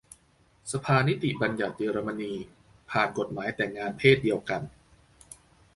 สภานิติบัญญัติเยอรมนี ผ่านกฎหมายแต่งงานเพศเดียวกัน